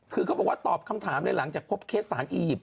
คือเขาบอกว่าตอบคำถามเลยหลังจากพบเคสสถานอียิปต์